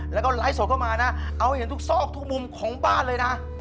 แล้วก็ไลฟ์สดเข้ามานะเอาเห็นทุกซอกทุกมุมของบ้านเลยนะ